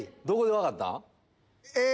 どこで分かったん？